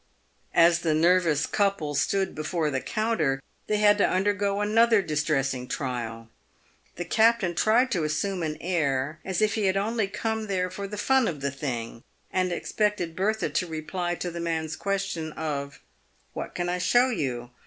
As the nervous couple stood PAVED WITH GOLD. 333 before the counter, they had to undergo another distressing trial. The captain tried to assume an air as if he had only come there for the fun of the thing, and expected Bertha to reply to the man's question of " What can I show you